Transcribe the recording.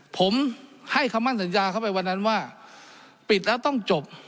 ผมให้คำมั่นสัญญาเข้าไปวันนั้นว่าปิดแล้วต้องจบ